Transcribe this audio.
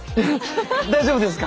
大丈夫ですか？